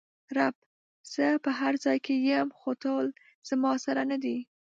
رب: زه په هر ځای کې ېم خو ټول زما سره ندي!